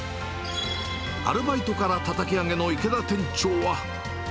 アルバイトからたたき上げの池田店長は。